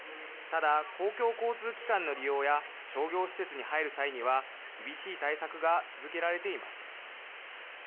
ただ、公共交通機関の利用や商業施設に入る際には厳しい対策が続けられています。